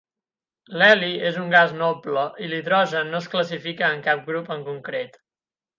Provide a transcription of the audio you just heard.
L'heli és un gas noble i l'hidrogen no es classifica en cap grup en concret.